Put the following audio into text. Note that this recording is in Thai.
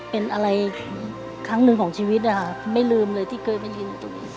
เป็นอะไรครั้งหนึ่งของชีวิตอ่ะไม่ลืมเลยที่เกิดไปดี